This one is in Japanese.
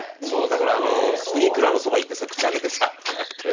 だからスプリンクラーのそば行ってさ口開けてさこうやって。